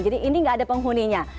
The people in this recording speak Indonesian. jadi ini nggak ada penghuninya